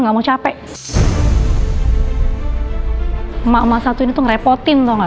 nggak mau capek emak emak satu itu ngerepotin tahu enggak